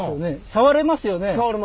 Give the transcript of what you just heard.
触れますね。